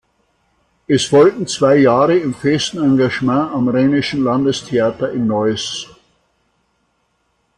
Es folgten zwei Jahre im festen Engagement am Rheinischen Landestheater in Neuss.